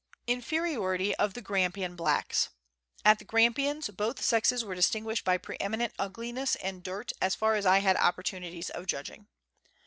Inferiority of the Grampian Blacks. At the Grampians, both sexes were distinguished by pre eminent ugliness and dirt, as far as I had opportunities of judging.